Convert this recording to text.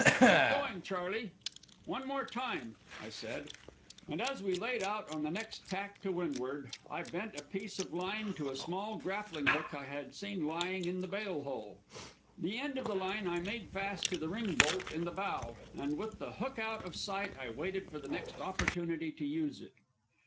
"Keep going, Charley, one time more," I said. And as we laid out on the next tack to windward, I bent a piece of line to a small grappling hook I had seen lying in the bail hole. The end of the line I made fast to the ring bolt in the bow, and with the hook out of sight I waited for the next opportunity to use it.